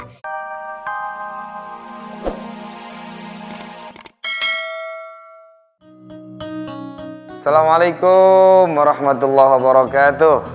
assalamualaikum warahmatullahi wabarakatuh